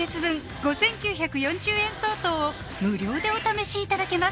５９４０円相当を無料でお試しいただけます